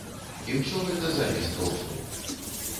І ўсё гэта замест росту.